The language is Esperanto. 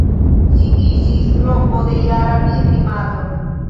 Ĝi iĝis loko de jara pilgrimado.